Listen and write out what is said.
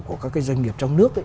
của các cái doanh nghiệp trong nước